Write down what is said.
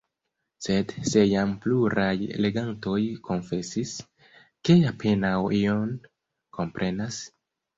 Sed se jam pluraj legantoj konfesis, ke apenaŭ ion komprenas?